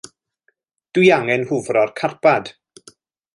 Dw i angen hwfro'r carpad.